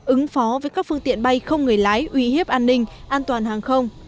ứng phó với các phương tiện bay không người lái uy hiếp an ninh an toàn hàng không